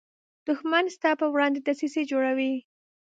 دښمن ستا پر وړاندې دسیسې جوړوي